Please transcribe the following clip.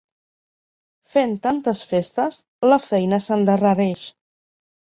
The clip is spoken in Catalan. Fent tantes festes, la feina s'endarrereix.